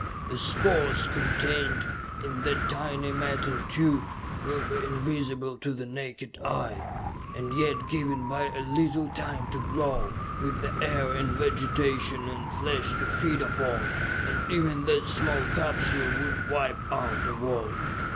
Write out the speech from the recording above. The spores contained in that tiny metal tube would be invisible to the naked eye and yet given but a little time to grow, with air and vegetation and flesh to feed upon, and even that small capsule would wipe out a world.